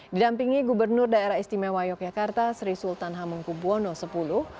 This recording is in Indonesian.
didampingi gubernur daerah istimewa yogyakarta sri sultan hamengkubwono x